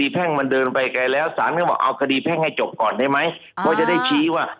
เพราะจะได้ชี้ว่า